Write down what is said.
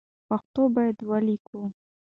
پښتو باید ولیکو